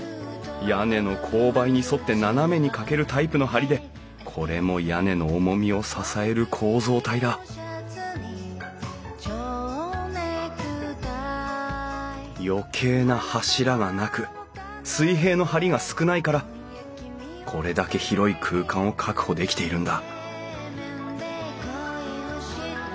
屋根の勾配に沿って斜めにかけるタイプの梁でこれも屋根の重みを支える構造体だ余計な柱がなく水平の梁が少ないからこれだけ広い空間を確保できているんだ